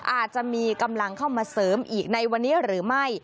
อาจจะมีกำลังเข้ามาเสริมอีกในวันนี้หรือไม่